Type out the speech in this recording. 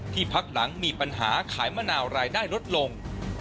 พักหลังมีปัญหาขายมะนาวรายได้ลดลง